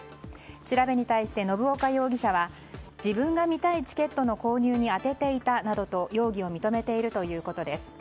調べに対して信岡容疑者は自分が見たいチケットの購入に充てていたなどと容疑を認めているということです。